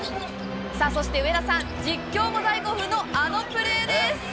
そして上田さん実況も大興奮のあのプレーです！